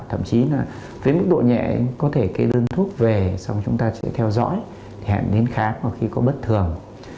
thậm chí là với mức độ nhẹ có thể kê đơn thuốc về xong chúng ta sẽ theo dõi hẹn đến khám khi có bất thường